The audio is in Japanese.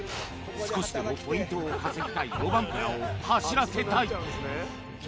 少しでもポイントを稼ぎたいロバンペラを走らせたい。